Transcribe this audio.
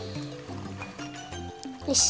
よし。